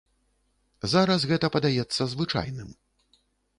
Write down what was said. Зараз гэта падаецца звычайным.